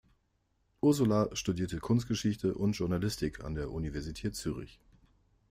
Ursula studierte Kunstgeschichte und Journalistik an der Universität Zürich.